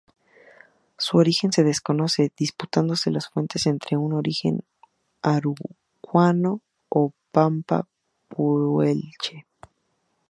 Su origen se desconoce, disputándose las fuentes entre un origen araucano o pampa-puelche.